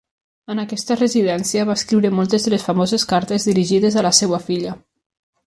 En aquesta residència va escriure moltes de les famoses cartes dirigides a la seva filla.